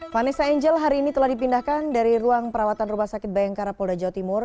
vanessa angel hari ini telah dipindahkan dari ruang perawatan rumah sakit bayangkara polda jawa timur